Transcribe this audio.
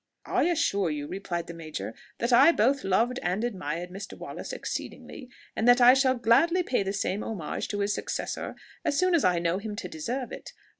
"I assure you," replied the major, "that I both loved and admired Mr. Wallace exceedingly, and that I shall gladly pay the same homage to his successor as soon as I know him to deserve it.